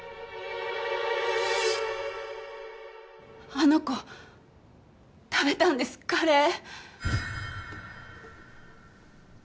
あの子食べたんですカレー。